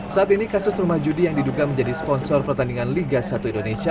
saat ini kasus rumah judi yang diduga menjadi sponsor pertandingan liga satu indonesia